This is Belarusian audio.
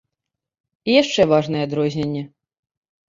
І яшчэ важнае адрозненне.